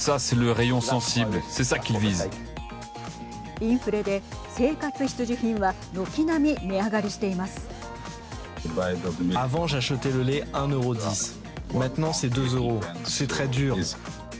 インフレで生活必需品は軒並み値上がりしています。